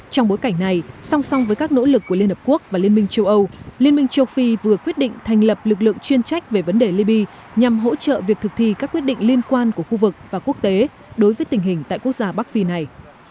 trong bối cảnh này song song với các nỗ lực của liên hợp quốc và liên minh châu âu liên minh châu phi vừa quyết định thành lập lực lượng chuyên trách về vấn đề libya nhằm hỗ trợ việc thực thi các quyết định liên quan của khu vực và quốc tế đối với tình hình tại quốc gia bắc phi này